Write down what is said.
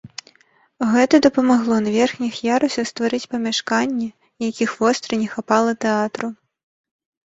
Гэта дапамагло на верхніх ярусах стварыць памяшканні, якіх востра не хапала тэатру.